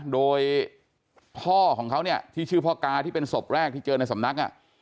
โดยพ่อของเขาเนี่ยที่ชื่อพ่อกาที่เป็นศพแรกที่เจอในสำนัก